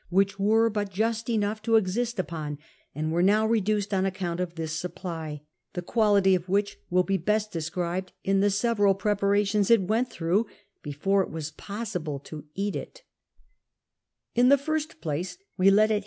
which were but just enough to exist upon, and were now reduced on account of this siijiply ; the (quality of \rhich will be best described in the several preparations it went thinugh before it was possible to eat it. X THE SEA HORSE 141 In the first place, we let it h.